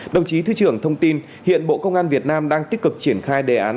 đồng chí thứ trưởng thông tin hiện bộ công an việt nam đang tích cực triển khai đề án